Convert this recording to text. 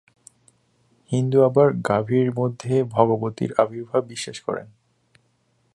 হিন্দু আবার গাভীর মধ্যে ভগবতীর আবির্ভাব বিশ্বাস করেন।